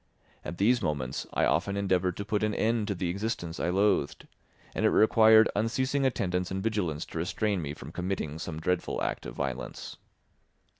At these moments I often endeavoured to put an end to the existence I loathed, and it required unceasing attendance and vigilance to restrain me from committing some dreadful act of violence.